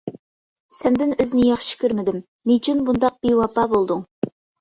سەندىن ئۆزنى ياخشى كۆرمىدىم، نېچۈن بۇنداق بىۋاپا بولدۇڭ.